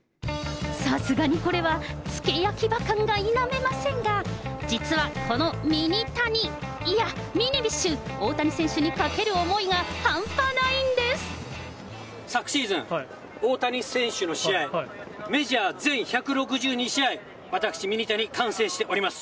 さすがにこれは付け焼き刃感が否めませんが、実は、このミニタニ、いや、ミニビッシュ、大谷選手にかける思いが半端ないんで昨シーズン、大谷選手の試合、メジャー全１６２試合、私、ミニタニ観戦しております。